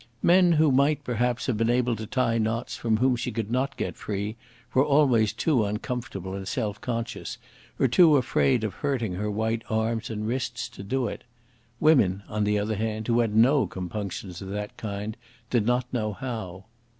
Men who might, perhaps, have been able to tie knots from which she could not get free were always too uncomfortable and self conscious, or too afraid of hurting her white arms and wrists, to do it. Women, on the other hand, who had no compunctions of that kind, did not know how.